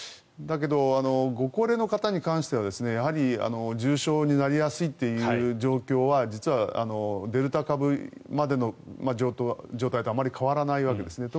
だけど、ご高齢の方に関しては重症になりやすいという状況は実はデルタ株までの状態とあまり変わらないわけです。